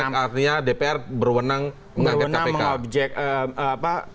jadi artinya dpr berwenang mengangket kpk